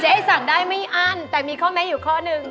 ให้สั่งได้ไม่อั้นแต่มีข้อแม้อยู่ข้อหนึ่ง